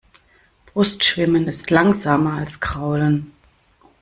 Brustschwimmen ist langsamer als Kraulen.